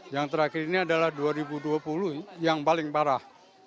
yang terakhir ini adalah dua ribu dua puluh yang paling parah